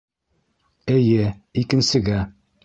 — Эйе, икенсегә.